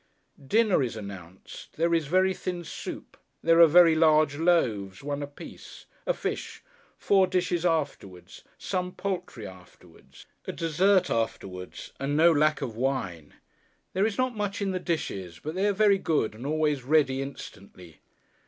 Dinner is announced. There is very thin soup; there are very large loaves—one apiece; a fish; four dishes afterwards; some poultry afterwards; a dessert afterwards; and no lack of wine. There is not much in the dishes; but they are very good, and always ready instantly.